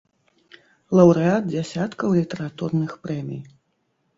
Лаўрэат дзясяткаў літаратурных прэмій.